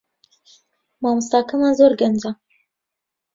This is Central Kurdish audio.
مامۆستاکەمان زۆر گەنجە